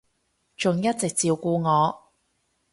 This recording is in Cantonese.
仲一直照顧我